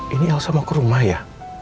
ini elsa mau ke rumah ya